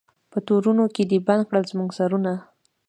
په تورونو کي دي بند کړل زموږ سرونه